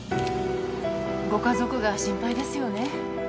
ご家族が心配ですよね。